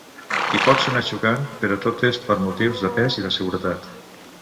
I pot sonar xocant, però tot és per motius de pes i de seguretat.